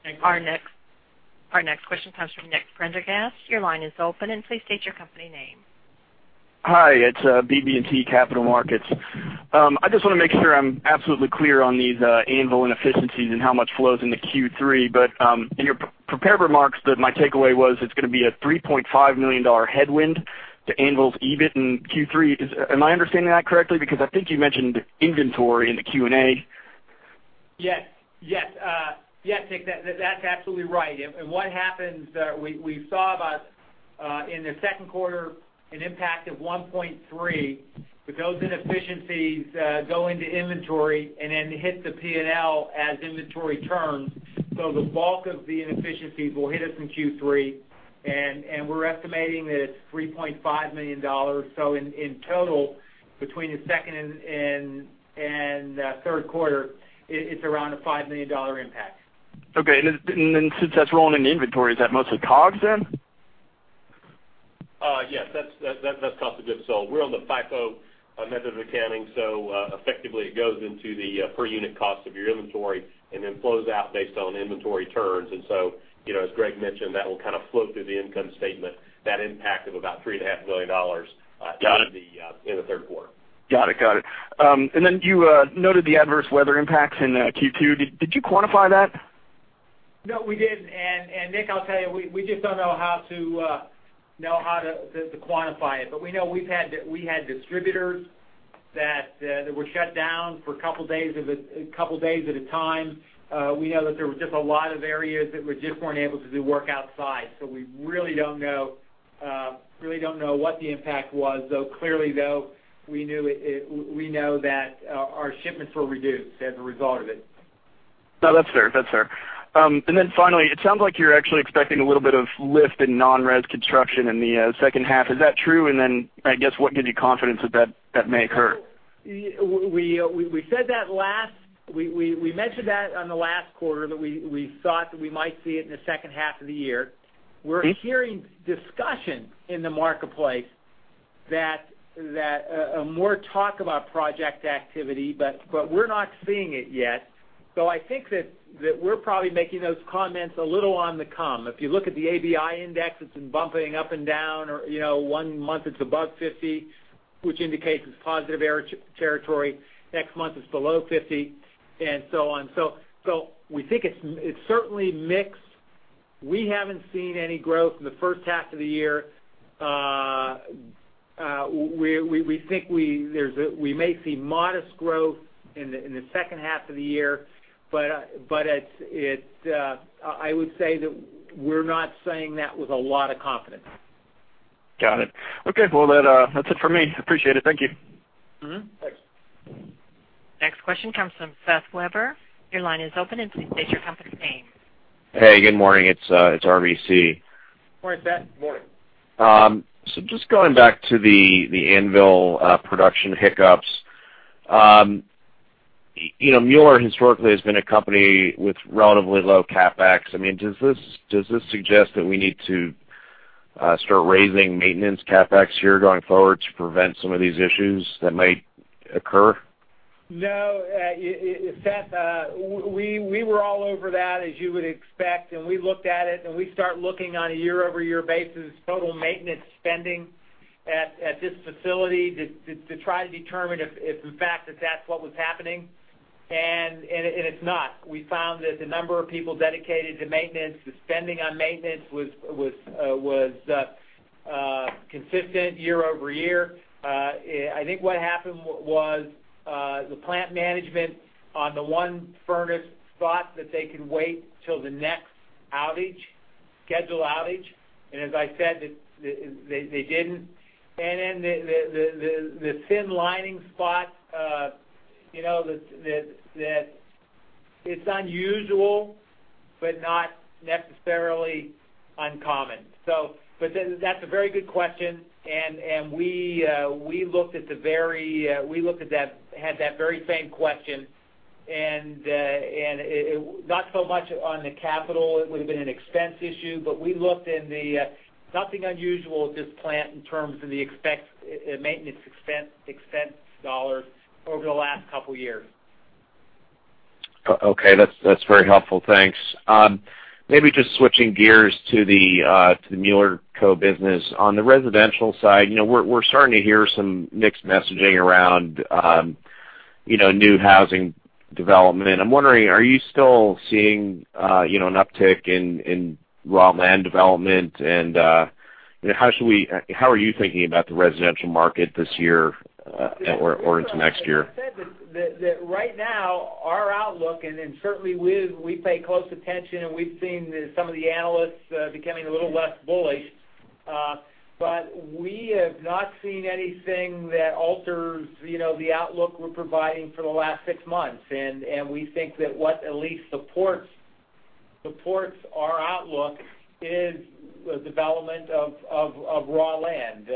Thanks. Our next question comes from Nicholas Prendergast. Your line is open and please state your company name. Hi, it's BB&T Capital Markets. I just want to make sure I'm absolutely clear on these Anvil inefficiencies and how much flows into Q3. In your prepared remarks, my takeaway was it's going to be a $3.5 million headwind to Anvil's EBIT in Q3. Am I understanding that correctly? I think you mentioned inventory in the Q&A. Yes, Nick, that's absolutely right. What happens, we saw in the second quarter an impact of $1.3 million, those inefficiencies go into inventory and then hit the P&L as inventory turns. The bulk of the inefficiencies will hit us in Q3, and we're estimating that it's $3.5 million. In total, between the second and third quarter, it's around a $5 million impact. Okay. Since that's rolling in the inventory, is that mostly COGS then? Yes. That's cost of goods sold. We're on the FIFO method of accounting, so effectively it goes into the per unit cost of your inventory and then flows out based on inventory turns. As Greg mentioned, that will kind of flow through the income statement, that impact of about $3.5 million- Got it. in the third quarter. Got it. Then you noted the adverse weather impacts in Q2. Did you quantify that? No, we didn't. Nick, I'll tell you, we just don't know how to quantify it. We know we had distributors that were shut down for a couple of days at a time. We know that there was just a lot of areas that just weren't able to do work outside. We really don't know what the impact was, though. Clearly, though, we know that our shipments were reduced as a result of it. No, that's fair. Then finally, it sounds like you're actually expecting a little bit of lift in non-res construction in the second half. Is that true? Then, I guess, what gives you confidence that that may occur? We mentioned that on the last quarter, that we thought that we might see it in the second half of the year. We're hearing discussion in the marketplace, more talk about project activity, we're not seeing it yet. I think that we're probably making those comments a little on the come. If you look at the ABI index, it's been bumping up and down, or one month it's above 50, which indicates it's positive territory. Next month it's below 50, and so on. We think it's certainly mixed. We haven't seen any growth in the first half of the year. We think we may see modest growth in the second half of the year, I would say that we're not saying that with a lot of confidence. Got it. Okay. Well, that's it for me. Appreciate it. Thank you. Thanks. Next question comes from Seth Weber. Your line is open, and please state your company's name. Hey, good morning. It's RBC. Morning, Seth. Morning. Just going back to the Anvil production hiccups. Mueller historically has been a company with relatively low CapEx. Does this suggest that we need to start raising maintenance CapEx here going forward to prevent some of these issues that might occur? No, Seth, we were all over that, as you would expect. We looked at it. We start looking on a year-over-year basis, total maintenance spending at this facility to try to determine if in fact that's what was happening. It's not. We found that the number of people dedicated to maintenance, the spending on maintenance was consistent year-over-year. I think what happened was the plant management on the one furnace thought that they could wait till the next scheduled outage. As I said, they didn't. The thin lining spot, that it's unusual but not necessarily uncommon. That's a very good question. We had that very same question, not so much on the capital, it would have been an expense issue, but nothing unusual at this plant in terms of the maintenance expense dollars over the last couple of years. Okay. That's very helpful. Thanks. Maybe just switching gears to the Mueller Co. business. On the residential side, we're starting to hear some mixed messaging around new housing development. I'm wondering, are you still seeing an uptick in raw land development? How are you thinking about the residential market this year or into next year? Right now our outlook, certainly we pay close attention. We've seen some of the analysts becoming a little less bullish. We have not seen anything that alters the outlook we're providing for the last six months. We think that what at least supports our outlook is the development of raw land.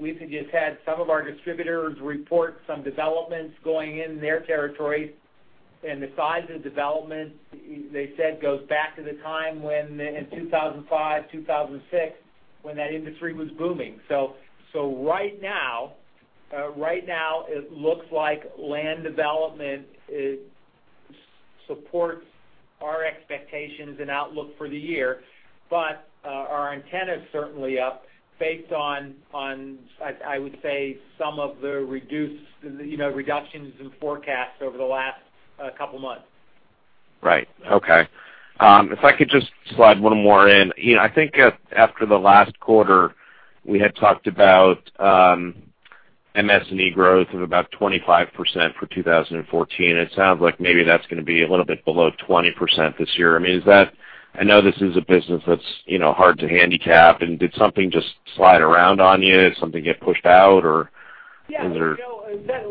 We've just had some of our distributors report some developments going in their territory. The size of development, they said, goes back to the time in 2005, 2006, when that industry was booming. Right now, it looks like land development supports our expectations and outlook for the year. Our antenna is certainly up based on, I would say, some of the reductions in forecasts over the last couple of months. Right. Okay. If I could just slide one more in. I think after the last quarter, we had talked about MS&E growth of about 25% for 2014, and it sounds like maybe that's going to be a little bit below 20% this year. I know this is a business that's hard to handicap. Did something just slide around on you? Did something get pushed out, or is there? Yeah,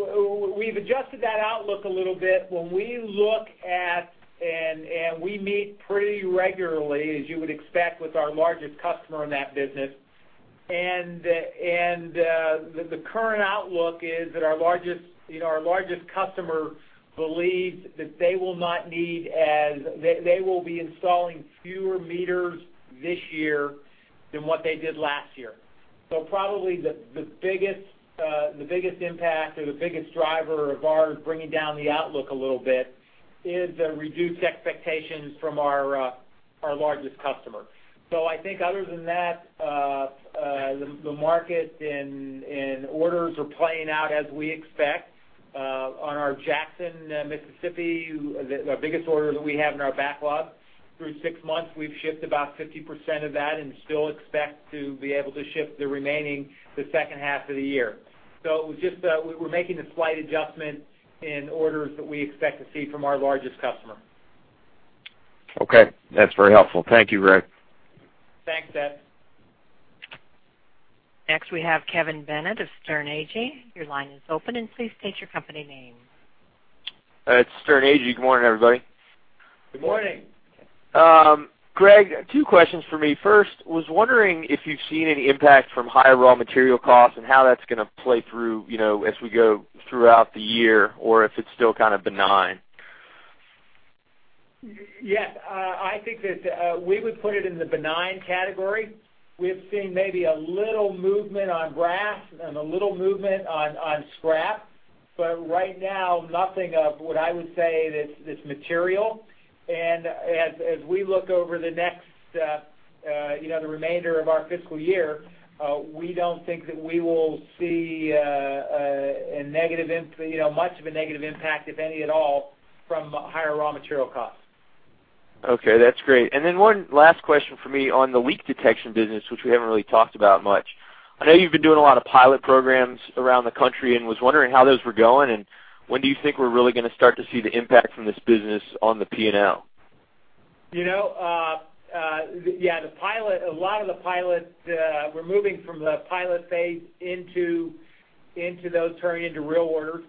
we've adjusted that outlook a little bit. When we look at, and we meet pretty regularly, as you would expect with our largest customer in that business, the current outlook is that our largest customer believes that they will be installing fewer meters this year than what they did last year. Probably the biggest impact or the biggest driver of ours bringing down the outlook a little bit is the reduced expectations from our largest customer. I think other than that, the market and orders are playing out as we expect. On our Jackson, Mississippi, the biggest order that we have in our backlog, through six months, we've shipped about 50% of that and still expect to be able to ship the remaining the second half of the year. We're making a slight adjustment in orders that we expect to see from our largest customer. Okay. That's very helpful. Thank you, Greg. Thanks, Seth. Next, we have Kevin Bennett of Sterne Agee. Your line is open, and please state your company name. It's Sterne Agee. Good morning, everybody. Good morning. Greg, two questions from me. First, was wondering if you've seen any impact from higher raw material costs and how that's going to play through as we go throughout the year, or if it's still kind of benign. Yes. I think that we would put it in the benign category. We've seen maybe a little movement on brass and a little movement on scrap, right now, nothing of what I would say that's material. As we look over the remainder of our fiscal year, we don't think that we will see much of a negative impact, if any at all, from higher raw material costs. Okay, that's great. Then one last question from me on the leak detection business, which we haven't really talked about much. I know you've been doing a lot of pilot programs around the country and was wondering how those were going, and when do you think we're really going to start to see the impact from this business on the P&L? A lot of the pilots, we're moving from the pilot phase into those turning into real orders.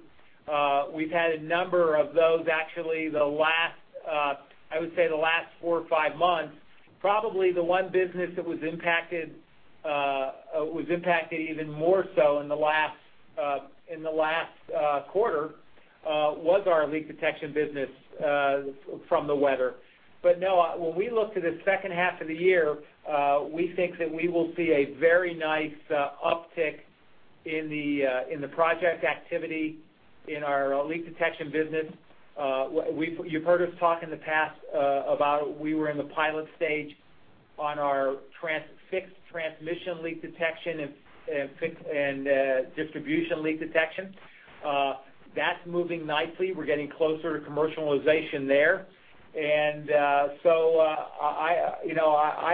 We've had a number of those actually, I would say, the last four or five months. Probably the one business that was impacted even more so in the last quarter was our leak detection business from the weather. No, when we look to the second half of the year, we think that we will see a very nice uptick in the project activity in our leak detection business. You've heard us talk in the past about we were in the pilot stage on our fixed transmission leak detection and distribution leak detection. That's moving nicely. We're getting closer to commercialization there. I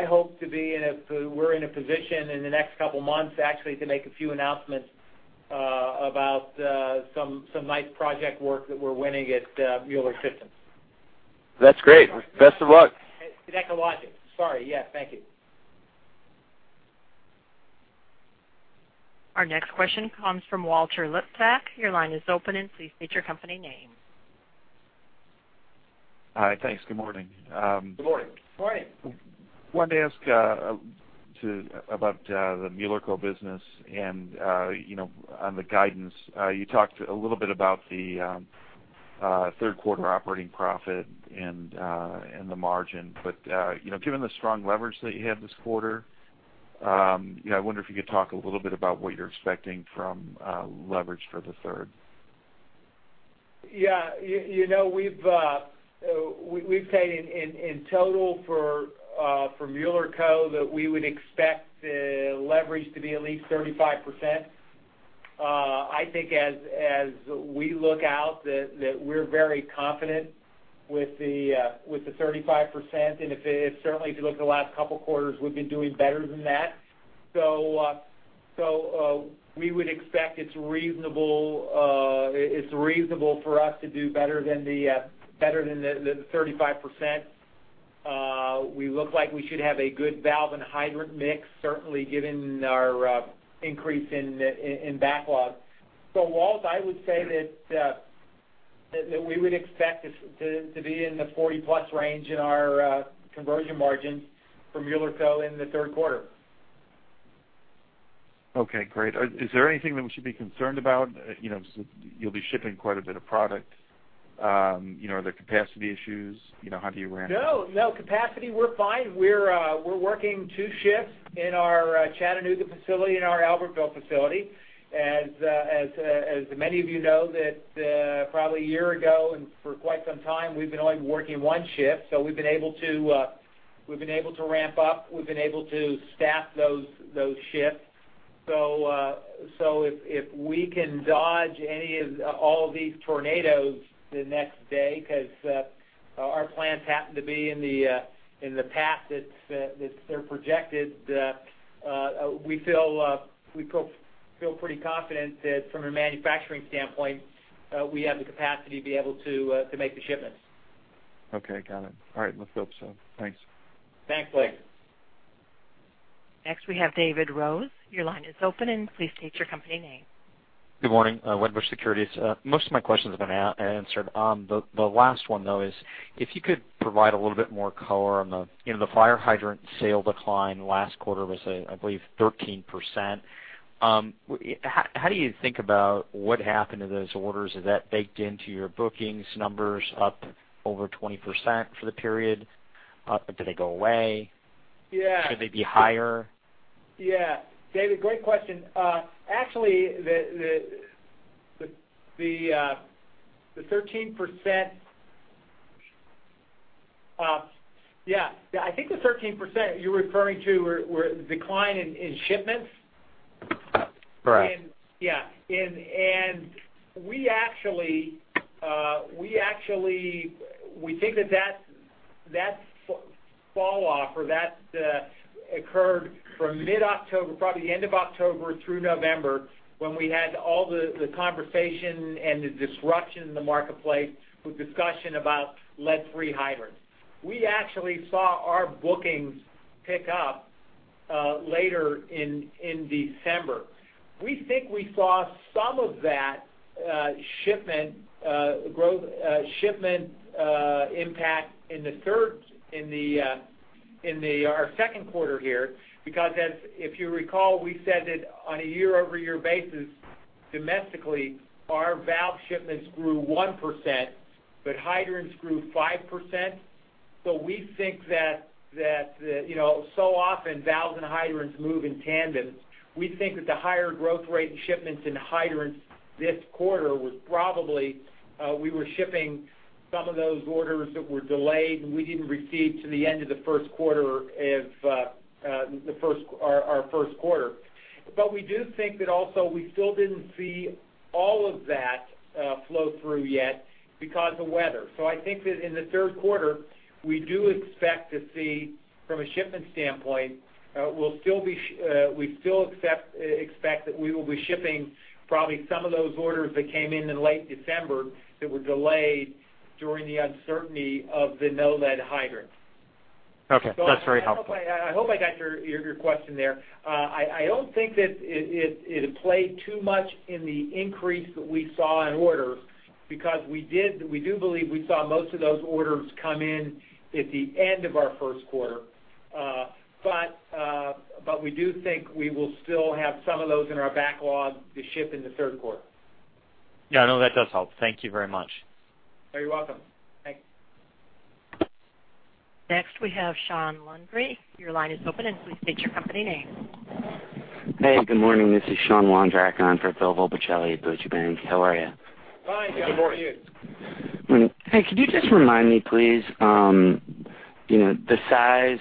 hope we're in a position in the next couple of months, actually, to make a few announcements about some nice project work that we're winning at Mueller Systems. That's great. Best of luck. At Echologics. Sorry. Yeah, thank you. Our next question comes from Walter Liptak. Your line is open, please state your company name. Hi, thanks. Good morning. Good morning. Morning. Wanted to ask about the Mueller Co. business and on the guidance. You talked a little bit about the third quarter operating profit and the margin. Given the strong leverage that you had this quarter, I wonder if you could talk a little bit about what you're expecting from leverage for the third. Yeah. We've said in total for Mueller Co. that we would expect the leverage to be at least 35%. I think as we look out, that we're very confident with the 35%, and certainly, if you look at the last couple of quarters, we've been doing better than that. We would expect it's reasonable for us to do better than the 35%. We look like we should have a good valve and hydrant mix, certainly given our increase in backlog. Walt, I would say that we would expect to be in the 40-plus range in our conversion margins for Mueller Co. in the third quarter. Okay, great. Is there anything that we should be concerned about? You'll be shipping quite a bit of product. Are there capacity issues? How do you handle that? No. Capacity, we're fine. We're working two shifts in our Chattanooga facility and our Albertville facility. As many of you know that probably a year ago and for quite some time, we've been only working one shift. We've been able to ramp up. We've been able to staff those shifts. If we can dodge all of these tornadoes the next day, because our plants happen to be in the path that they're projected, we feel pretty confident that from a manufacturing standpoint, we have the capacity to be able to make the shipments. Okay, got it. All right. Let's hope so. Thanks. Thanks, Walter. Next, we have David Rose. Your line is open. Please state your company name. Good morning. Wedbush Securities. Most of my questions have been answered. The last one, though, is if you could provide a little bit more color on the fire hydrant sale decline last quarter was, I believe, 13%. How do you think about what happened to those orders? Is that baked into your bookings numbers up over 20% for the period? Did they go away? Yeah. Should they be higher? Yeah. David, great question. Actually, the 13%. I think the 13% you're referring to were decline in shipments. Correct. Yeah. We think that fell off or that occurred from mid-October, probably the end of October through November, when we had all the conversation and the disruption in the marketplace with discussion about lead-free hydrants. We actually saw our bookings pick up later in December. We think we saw some of that shipment impact in our second quarter here, because if you recall, we said that on a year-over-year basis domestically, our valve shipments grew 1%, but hydrants grew 5%. Often, valves and hydrants move in tandem. We think that the higher growth rate in shipments in hydrants this quarter was probably we were shipping some of those orders that were delayed, and we didn't receive to the end of our first quarter. We do think that also we still didn't see all of that flow through yet because of weather. I think that in the third quarter, we do expect to see, from a shipment standpoint, we still expect that we will be shipping probably some of those orders that came in in late December that were delayed during the uncertainty of the no-lead hydrants. Okay. That's very helpful. I hope I got your question there. I don't think that it played too much in the increase that we saw in orders because we do believe we saw most of those orders come in at the end of our first quarter. We do think we will still have some of those in our backlog to ship in the third quarter. Yeah, no, that does help. Thank you very much. You're welcome. Thanks. Next, we have Sean Landry. Your line is open and please state your company name. Hey, good morning. This is Sean Wondrack. I'm for Philip Volpicelli at Deutsche Bank. How are you? Fine. Good morning. Good morning. Hey, could you just remind me, please, the size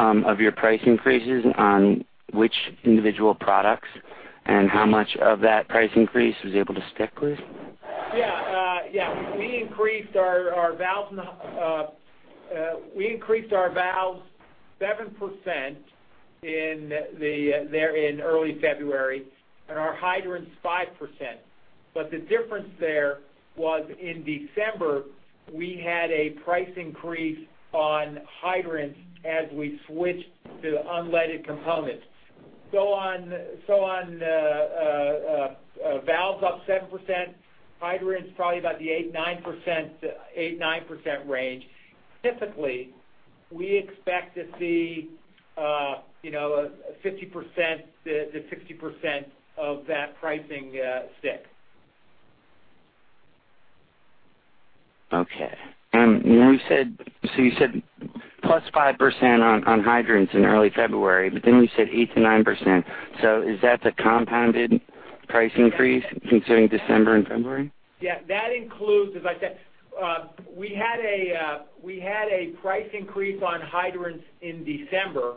of your price increases on which individual products and how much of that price increase was able to stick, please? Yeah. We increased our valves 7% there in early February, and our hydrants 5%. The difference there was in December, we had a price increase on hydrants as we switched to unleaded components. On valves up 7%, hydrants probably about the 8%-9% range. Typically, we expect to see 50%-60% of that pricing stick. Okay. You said +5% on hydrants in early February, you said 8%-9%. Is that the compounded price increase considering December and February? Yeah. That includes, as I said. We had a price increase on hydrants in December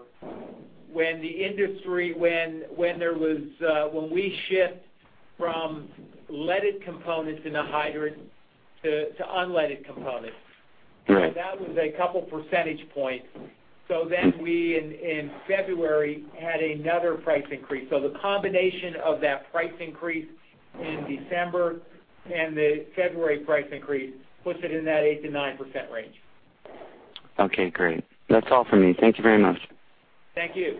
when we shift from leaded components in the hydrant to unleaded components. Right. That was a couple percentage points. We in February had another price increase. The combination of that price increase in December and the February price increase puts it in that 8%-9% range. Okay, great. That's all for me. Thank you very much. Thank you.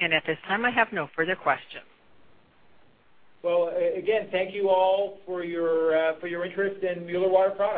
At this time, I have no further questions. Well, again, thank you all for your interest in Mueller Water Products.